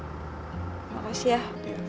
terima kasih ya